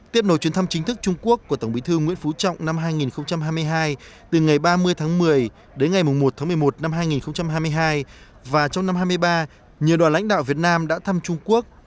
tiếp nổi chuyến thăm chính thức trung quốc của tổng bí thư nguyễn phú trọng năm hai nghìn hai mươi hai từ ngày ba mươi tháng một mươi đến ngày một tháng một mươi một năm hai nghìn hai mươi hai và trong năm hai mươi ba nhiều đoàn lãnh đạo việt nam đã thăm trung quốc